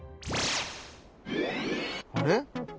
あれ？